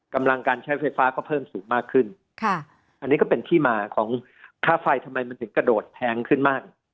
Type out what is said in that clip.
กำลังการใช้ไฟฟ้าก็เพิ่มสูงมากขึ้นค่ะอันนี้ก็เป็นที่มาของค่าไฟทำไมมันถึงกระโดดแพงขึ้นมาก